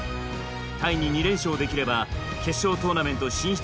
タイに２連勝できれば決勝トーナメント進出